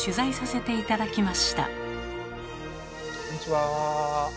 こんにちは。